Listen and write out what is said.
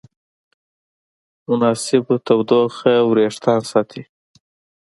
مناسب تودوخه وېښتيان ساتي.